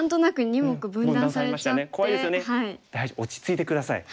大丈夫落ち着いて下さい。